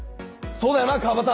そうだよな川端！